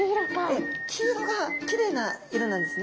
ええ黄色がきれいな色なんですね。